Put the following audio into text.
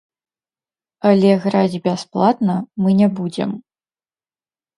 Але граць бясплатна мы не будзем.